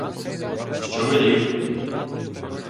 — Що велів?